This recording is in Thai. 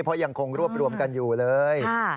เพราะยังคงรวบรวมกันอยู่เลย